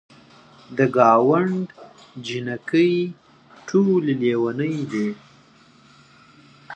د ګاونډ جینکۍ ټولې لیونۍ دي.